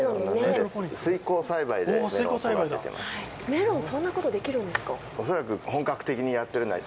メロン、そんなことできるんですか？